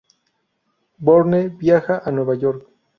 Bourne viaja a Nueva York.